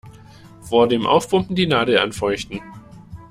Vor dem Aufpumpen die Nadel anfeuchten.